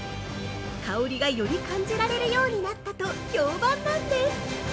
香りがより感じられるようになったと評判なんです！